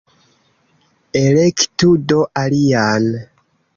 Elektu do alian!